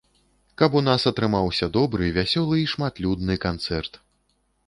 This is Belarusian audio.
Каб у нас атрымаўся добры, вясёлы і шматлюдны канцэрт.